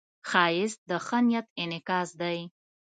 ښایست د ښه نیت انعکاس دی